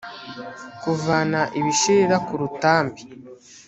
kuvana ibishirira ku rutambi